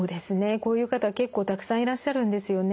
こういう方は結構たくさんいらっしゃるんですよね。